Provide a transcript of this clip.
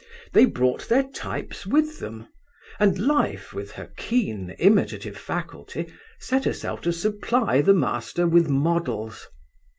They brought their types with them, and Life with her keen imitative faculty set herself to supply the master with models.